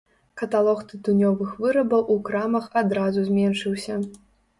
Каталог тытунёвых вырабаў у крамах адразу зменшыўся.